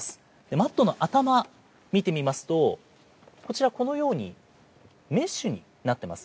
マットの頭、見てみますと、こちら、このように、メッシュになってます。